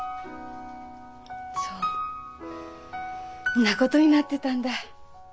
そうんなことになってたんだ。